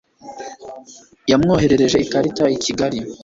Yamwoherereje ikarita i kigali